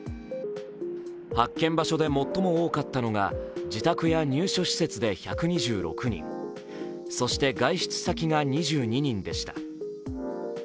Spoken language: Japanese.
発見場所で最も多かったのが自宅や入所施設で１２６人、そして外出先が２２人でした。